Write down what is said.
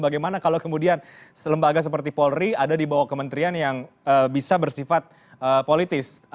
bagaimana kalau kemudian lembaga seperti polri ada di bawah kementerian yang bisa bersifat politis